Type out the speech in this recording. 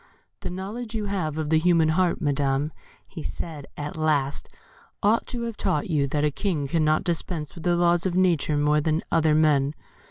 "The knowledge you have of the human heart, Madam," said he, at last, "ought to have taught you that a King cannot dispense with the laws of nature more than other men.